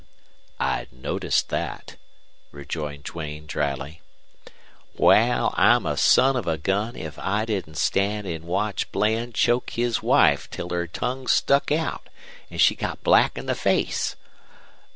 "I'd noticed that," rejoined Duane, dryly. "Wal, I'm a son of a gun if I didn't stand an' watch Bland choke his wife till her tongue stuck out an' she got black in the face."